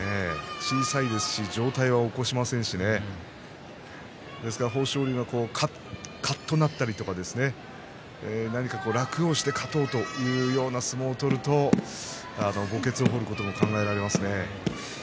上体は起こしませんし豊昇龍が、カッとなったり何か楽をして勝とうというような相撲を取ると墓穴を掘ることも考えられますね。